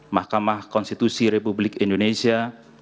mahkamah konstitusi republik indonesia